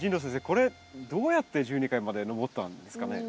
これどうやって１２階まで上ったんですかね？